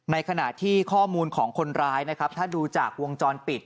ในขณะที่ข้อมูลของคนร้ายนะครับถ้าดูจากวงจรปิด